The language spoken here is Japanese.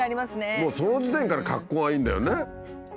もうその時点からかっこがいいんだよね。